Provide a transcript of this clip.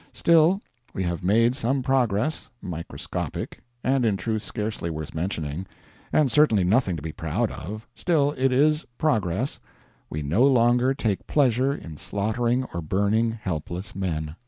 Still, we have made some progress microscopic, and in truth scarcely worth mentioning, and certainly nothing to be proud of still, it is progress: we no longer take pleasure in slaughtering or burning helpless men.